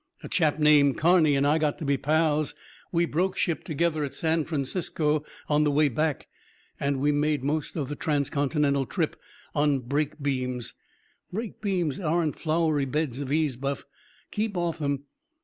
"A chap named Carney and I got to be pals. We broke ship together at San Francisco on the way back. And we made most of the transcontinental trip on brake beams. Brake beams aren't flowery beds of ease, Buff. Keep off them.